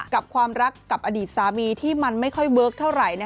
กับความรักกับอดีตสามีที่มันไม่ค่อยเวิร์คเท่าไหร่